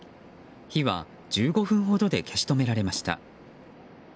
火は１５分ほどで消し止められました。